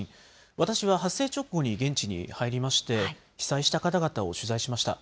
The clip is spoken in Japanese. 私は発生直後に現地に入りまして、被災した方々を取材しました。